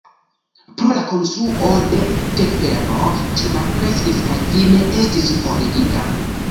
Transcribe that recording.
Pro la konstruo de telfero ĝi malkreskis kaj fine estis forigita.